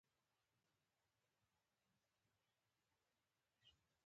زبردست خان وویل چې زه خپله خور نه ورکوم.